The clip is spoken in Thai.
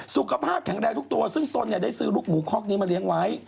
สุขภาพแข็งแรงทุกตัวซึ่งตนได้ซื้อลูกหมูคอกนี้มาเลี้ยงไว้